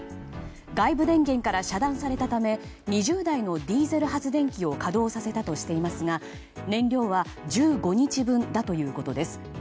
外部電源から遮断されたため２０台のディーゼル発電機を稼働させたとしていますが燃料は１５日分だということです。